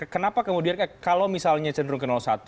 kenapa kemudian kalau misalnya cenderung ke satu